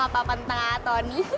apa apaan pengatau nih